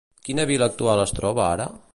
Quina vila actual es troba ara?